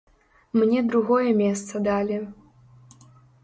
Мне другое месца далі.